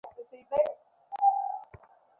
না, আমি একজন নাপিত।